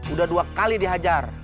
udah dua kali dihajar